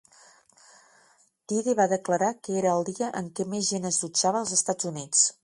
Tide va declarar que era el dia en què més gent es dutxava als Estats Units.